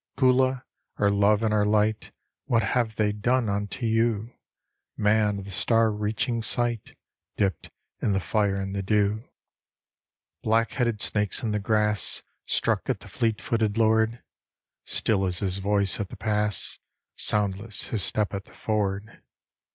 Koola, our love and our light, What have they done unto you? Man of the star reaching sight, Dipped in the fire and the dew. Black headed snakes in the grass Struck at the fleet footed lord Still is his voice at the pass, Soundless his step at the ford.